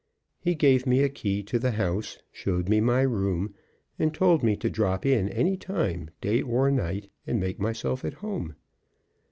He gave me a key to the house, showed me my room, and told me to drop in any time, day or night, and make myself at home.